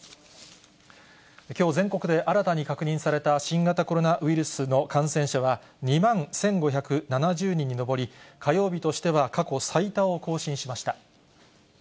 きょう、全国で新たに確認された新型コロナウイルスの感染者は、２万１５７０人に上り、火曜日としては過去最多を更新しました。